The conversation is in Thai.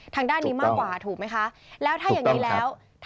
ทางด้านนี้มากกว่าถูกไหมคะแล้วถ้าอย่างนี้แล้ว